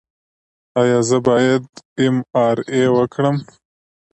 ایا زه باید ایم آر آی وکړم؟